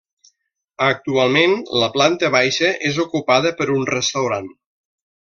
Actualment, la planta baixa és ocupada per un restaurant.